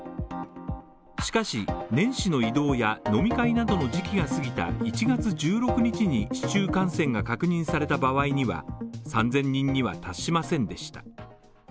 しかし、年始の移動や飲み会などの時期が過ぎた１月１６日に市中感染が確認された場合には３０００人には達しませんでした。